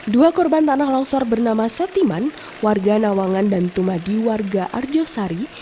dua korban tanah longsor bernama setiman warga nawangan dan tumadi warga arjosari